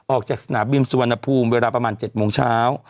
ออกจากสนามบินสุวรรณภูมิเวลาประมาณ๗โมงเช้า